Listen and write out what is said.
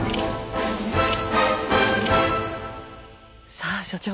さあ所長